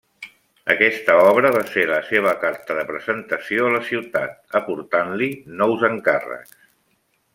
Aquesta obra va ser la seva carta de presentació a la ciutat, aportant-li nous encàrrecs.